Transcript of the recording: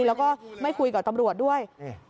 แล้วก็ไม่คุยกับตำรวจด้วย